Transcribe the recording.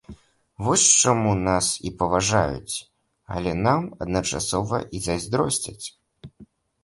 Вось чаму нас і паважаюць, але нам адначасова і зайздросцяць.